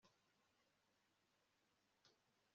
bose ko kandi akiri muto